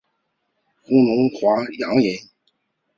弘农华阴人。